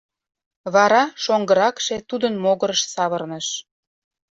Вара шоҥгыракше тудын могырыш савырныш: